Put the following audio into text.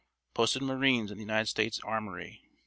... Posted marines in the United States Armory.